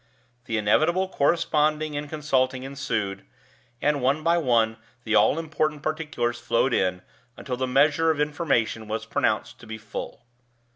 The inevitable corresponding and consulting ensued, and one by one the all important particulars flowed in, until the measure of information was pronounced to be full.